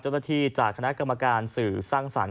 เจ้าหน้าที่จากคณะกรรมการสื่อสร้างสรรค์